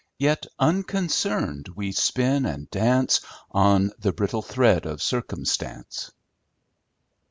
Yet, unconcerned, we spin and dance, On the brittle thread of circumstance."